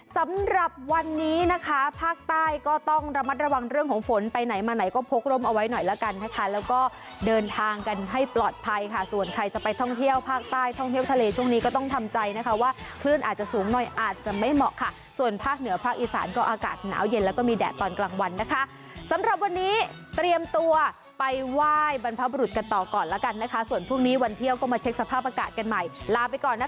สำหรับวันนี้นะคะภาคใต้ก็ต้องระมัดระวังเรื่องของฝนไปไหนมาไหนก็พกล้มเอาไว้หน่อยแล้วกันนะคะแล้วก็เดินทางกันให้ปลอดภัยค่ะส่วนใครจะไปท่องเที่ยวภาคใต้ท่องเที่ยวทะเลช่วงนี้ก็ต้องทำใจนะคะว่าคลื่นอาจจะสูงหน่อยอาจจะไม่เหมาะค่ะส่วนภาคเหนือภาคอีสานก็อากาศหนาวเย็นแล้วก็มีแดดตอนกลางวันนะคะ